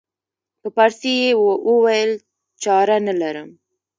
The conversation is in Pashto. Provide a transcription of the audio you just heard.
په پارسي یې وویل چاره نه لرم.